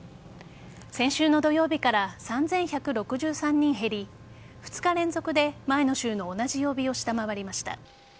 先週の土曜日から３１６３人減り２日連続で前の週の同じ曜日を下回りました。